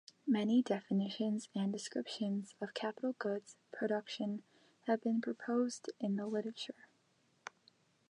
Many definitions and descriptions of capital goods production have been proposed in the literature.